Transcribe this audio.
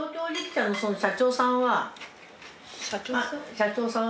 社長さん？